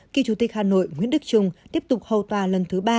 kỳ chủ tịch hà nội nguyễn đức trung tiếp tục hầu tòa lần thứ ba